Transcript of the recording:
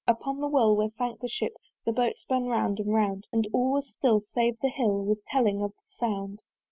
Upon the whirl, where sank the Ship, The boat spun round and round: And all was still, save that the hill Was telling of the sound.